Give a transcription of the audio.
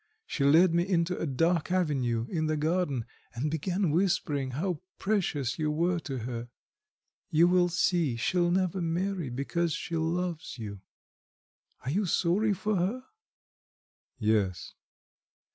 She led me into a dark avenue in the garden, and began whispering how precious you were to her. You will see, she'll never marry, because she loves you. Are you sorry for her?" "Yes."